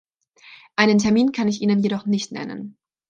Einen Termin kann ich Ihnen jedoch nicht nennen.